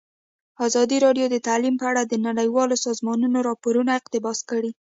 ازادي راډیو د تعلیم په اړه د نړیوالو سازمانونو راپورونه اقتباس کړي.